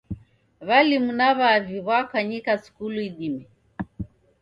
W'alimu na w'avi w'akwanyika skulu idime